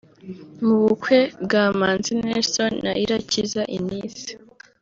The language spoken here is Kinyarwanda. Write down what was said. Mu bukwe bwa Manzi Nelson na Irakiza Eunice